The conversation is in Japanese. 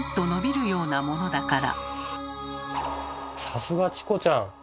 さすがチコちゃん！